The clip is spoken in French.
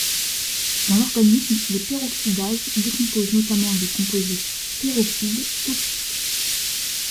Dans l'organisme, les peroxydases décomposent notamment les composés peroxydes, toxiques.